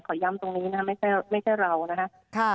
ย้ำตรงนี้นะครับไม่ใช่เรานะครับ